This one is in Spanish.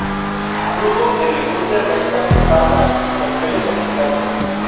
Fruto en legumbre recta, parda y con pelos aplicados.